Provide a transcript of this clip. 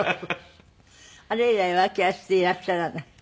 あれ以来浮気はしていらっしゃらない？